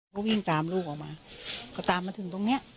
ก็วิ่งตามลูกออกมาเขาตามมาถึงตรงเนี้ย